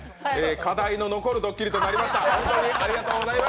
課題の残るドッキリとなりましたね。